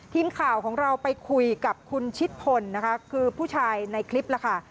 ทีมข่าวของเราไปคุยกับคุณชิดพลนะคะคือผู้ชายในคลิปล่ะค่ะ